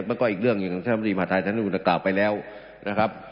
มันก็อีกเรื่องอย่างเชฟภาษีมหาธรรมทางอื่นต่างไปแล้วนะครับ